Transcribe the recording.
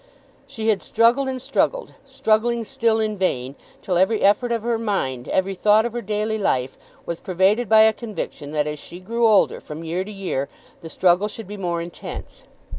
She had struggled and struggled, struggling still in vain, till every effort of her mind, every thought of her daily life, was pervaded by a conviction that as she grew older from year to year, the struggle should be more intense.